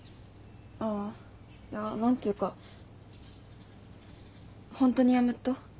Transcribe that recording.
ああいや何つうかホントにやめっと？